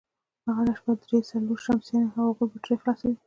هره شپه درې، څلور شمسيانې او د هغوی بېټرۍ خلاصوي،